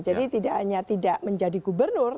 jadi tidak hanya tidak menjadi gubernur